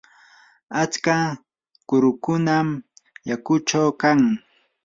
atska kurukunam yakuchaw kan.